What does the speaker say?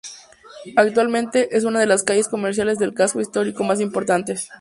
Actualmente, es una de las calles comerciales del casco histórico más importantes.